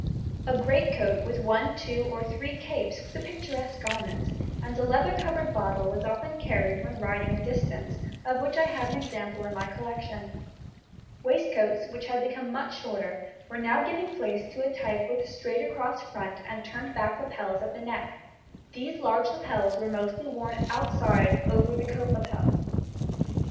A greatcoat with one, two, or three capes was a picturesque garment, and a leather covered bottle was often carried when riding a distance, of which I have an example in my collection. [Illustration: FIG. 105.] Waistcoats, which had become much shorter, were now giving place to a type with a straight across front and turned back lapels at the neck; these large lapels were mostly worn outside over the coat lapel.